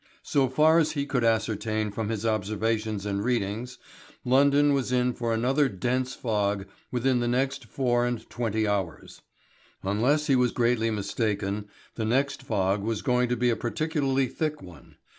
So far as he could ascertain from his observations and readings, London was in for another dense fog within the next four and twenty hours. Unless he was greatly mistaken, the next fog was going to be a particularly thick one.